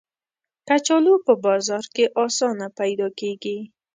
کچالو په بازار کې آسانه پیدا کېږي